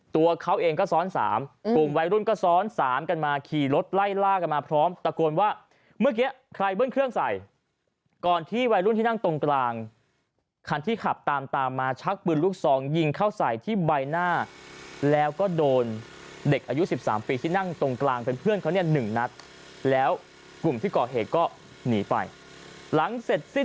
ตัวเขาเองก็ซ้อน๓กลุ่มวัยรุ่นก็ซ้อนสามกันมาขี่รถไล่ล่ากันมาพร้อมตะโกนว่าเมื่อกี้ใครเบิ้ลเครื่องใส่ก่อนที่วัยรุ่นที่นั่งตรงกลางคันที่ขับตามตามมาชักปืนลูกซองยิงเข้าใส่ที่ใบหน้าแล้วก็โดนเด็กอายุ๑๓ปีที่นั่งตรงกลางเป็นเพื่อนเขาเนี่ยหนึ่งนัดแล้วกลุ่มที่ก่อเหตุก็หนีไปหลังเสร็จสิ้น